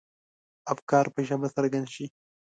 افکار په ژبه څرګند شي.